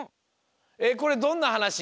えっこれどんなはなし？